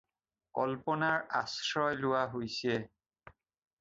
কল্পনাৰ আশ্ৰয লোৱা হৈছে